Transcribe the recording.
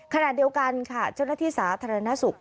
ขณะเดียวกันค่ะเจ้าหน้าที่สาธารณสุข